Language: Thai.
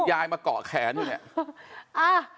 มียายมาเกาะแขนอยู่เนี่ย